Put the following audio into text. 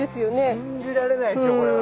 信じられないですよこれは。